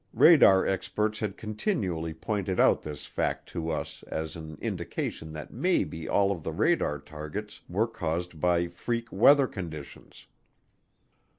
Radar experts had continually pointed out this fact to us as an indication that maybe all of the radar targets were caused by freak weather conditions.